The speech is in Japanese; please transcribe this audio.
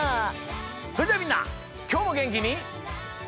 それではみんなきょうもげんきに。